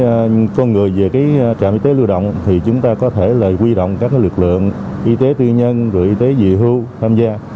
ở thành phố con người về trạm y tế lưu động thì chúng ta có thể quy động các lực lượng y tế tư nhân y tế dị hưu tham gia